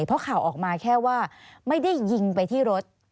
เพราะข่าวออกมาแค่ว่าไม่ได้ยิงไปที่รถ